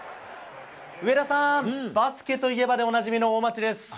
上田さん、バスケといえばでおなじみの大町です。